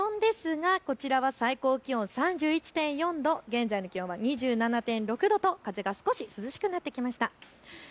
気温ですが、最高気温３１．４度現在の気温は２７．６度と風が少し涼しくなってきました。